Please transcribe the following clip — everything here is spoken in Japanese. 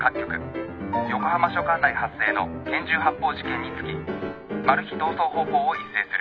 横浜署管内発生の拳銃発砲事件につきマル被逃走方向を一斉する。